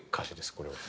これは。